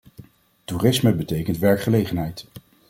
Toerisme betekent werkgelegenheid.